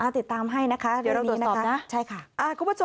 ติดตามให้นะคะเรื่องนี้นะคะใช่ค่ะคุณผู้ชม